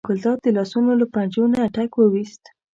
ګلداد د لاسونو له پنجو نه ټک وویست.